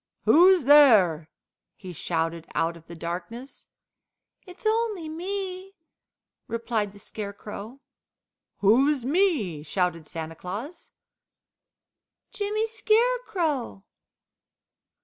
"Who's there?" he shouted out of the darkness. "It's only me," replied the Scarecrow. "Who's me?" shouted Santa Claus. "Jimmy Scarecrow!"